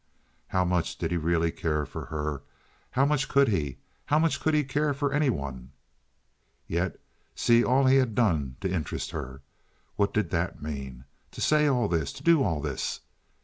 How much did he really care for her? How much could he? How much could he care for any one? Yet see all he had done to interest her. What did that mean? To say all this? To do all this?